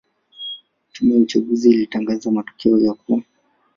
Tume ya uchaguzi ilitangaza matokeo ya kuwa